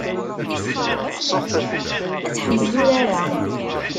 Ad tḥemmel urar-a.